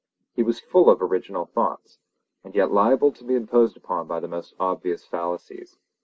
He was full of original thoughts, and yet liable to be imposed upon by the most obvious fallacies.